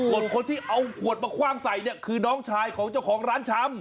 ส่วนคนที่เอาขวดมาคว่างใส่เนี่ยคือน้องชายของเจ้าของร้านชำ